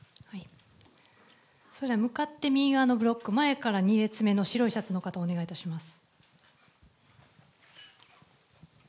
それでは、向かって右側のブロック、前から２列目の白いシャツの方、お願いいたします。